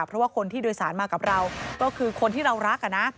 เพราะว่าคนที่โดยสารมากับเราก็คือคนที่เรารัก